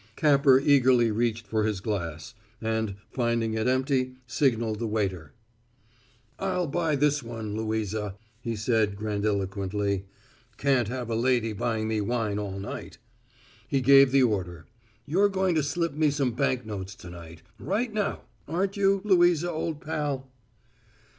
Capper eagerly reached for his glass, and, finding it empty, signaled the waiter. "I'll buy this one, Louisa," he said grandiloquently. "Can't have a lady buying me wine all night." He gave the order. "You're going to slip me some bank notes to night right now, aren't you, Louisa, old pal?"